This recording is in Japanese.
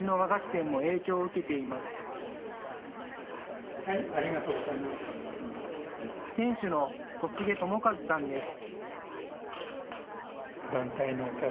店主の小菅奉和さんです。